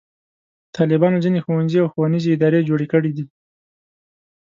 طالبانو ځینې ښوونځي او ښوونیزې ادارې جوړې کړې دي.